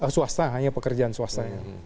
suasta hanya pekerjaan swastanya